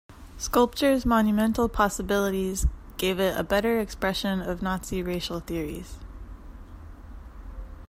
Sculpture's monumental possibilities gave it a better expression of Nazi racial theories.